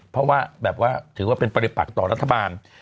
เพราะว่าแบบว่าถือว่าเป็นปริปักต่อรัฐบาล